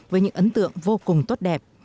với những ấn tượng vô cùng tốt đẹp